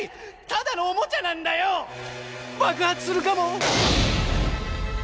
ただのおもちゃなんだよ。爆発するかも。